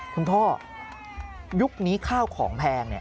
คุณพ่อยุคนี้ข้าวของแพง